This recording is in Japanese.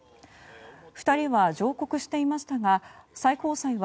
２人は上告していましたが最高裁は